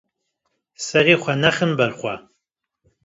Serê xwe nexin ber xwe.